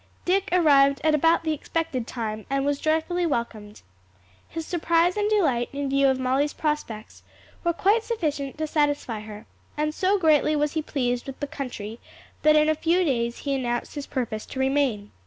Dick arrived at about the expected time and was joyfully welcomed. His surprise and delight in view of Molly's prospects were quite sufficient to satisfy her, and so greatly was he pleased with the country that in a few days he announced his purpose to remain.